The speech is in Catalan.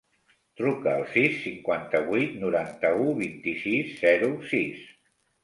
Truca al sis, cinquanta-vuit, noranta-u, vint-i-sis, zero, sis.